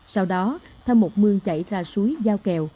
sau đó theo một mưa chạy ra suối giao kèo